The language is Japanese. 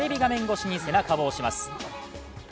越しに背中を押します。